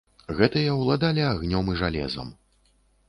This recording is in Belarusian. Гэтыя ўладалі агнём і жалезам.